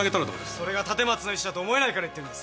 それが立松の意思だと思えないから言ってるんです。